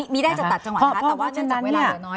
ไม่ได้จะตัดจังหวังนะครับ